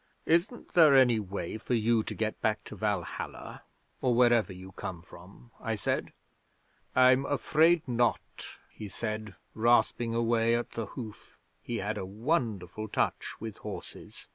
'"Isn't there any way for you to get back to Valhalla, or wherever you come from?" I said. '"I'm afraid not," he said, rasping away at the hoof. He had a wonderful touch with horses.